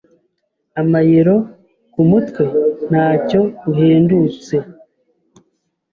Amayero kumutwe? Ntacyo uhendutse?